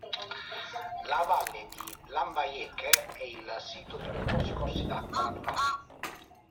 La Valle di Lambayeque è il sito di numerosi corsi d'acqua naturali.